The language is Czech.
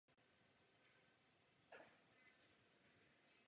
Dalších zpráv o této linii se dochovalo jen velmi málo.